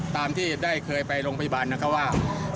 ตามที่ได้เคยไปโรงพยาบาลนะครับว่า